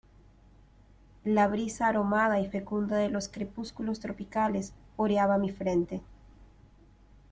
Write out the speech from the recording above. la brisa aromada y fecunda de los crepúsculos tropicales oreaba mi frente.